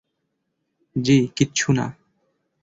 জি, কিছু না।